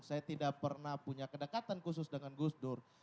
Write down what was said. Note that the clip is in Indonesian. saya tidak pernah punya kedekatan khusus dengan gus dur